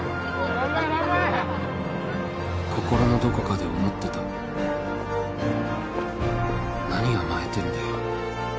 頑張れ頑張れ心のどこかで思ってた何甘えてんだよ